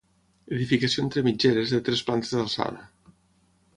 Edificació entre mitgeres de tres plantes d'alçada.